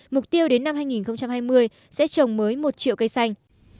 mục tiêu đến năm hai nghìn hai mươi sẽ trồng mới một triệu cây xanh